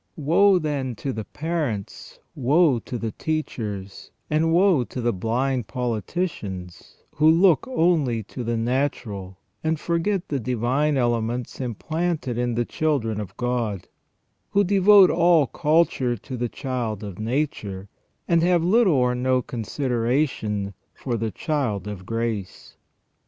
Woe, then, to the parents, woe to the teachers, and woe to the blind politicians, who look only to the natural and forget the divine elements implanted in the children of God ; who devote all culture to the child of nature, and have little or no considera tion for the child of grace.